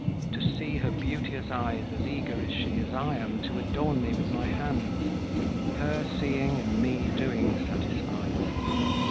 To see her beauteous eyes as eager is she, As I am to adorn me with my hands; Her, seeing, and me, doing satisfies."